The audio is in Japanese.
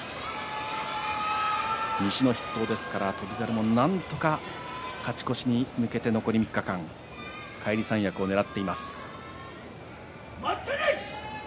西の筆頭ですから翔猿もなんとか勝ち越しに向けて残り３日間返り三役をねらっています。